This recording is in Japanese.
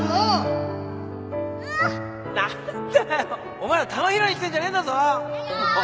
お前ら球拾いに来てんじゃねえんだぞもう